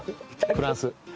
フランス。